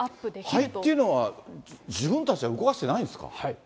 肺というのは、自分たちでは動かしてないんですか。